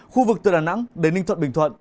khu vực từ đà nẵng đến ninh thuận bình thuận